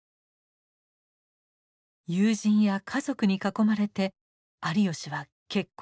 友人や家族に囲まれて有吉は結婚翌年に出産。